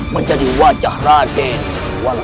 menjadi wajah praden walau susah